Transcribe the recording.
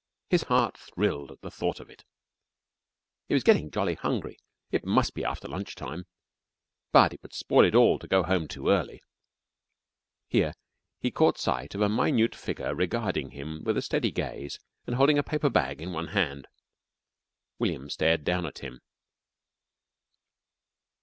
His heart thrilled at the thought of it. He was getting jolly hungry. It must be after lunch time. But it would spoil it all to go home too early. Here he caught sight of a minute figure regarding him with a steady gaze and holding a paper bag in one hand. William stared down at him.